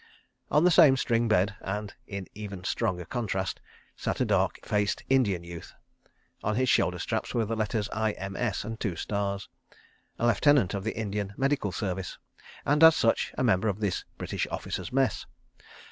On the same string bed, and in even stronger contrast, sat a dark faced Indian youth. On his shoulder straps were the letters I.M.S. and two stars. A lieutenant of the Indian Medical Service, and, as such, a member of this British Officers' Mess.